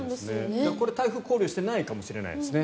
これ、台風を考慮していないかもしれないですよね。